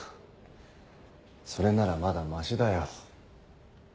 それならまだマシだよ。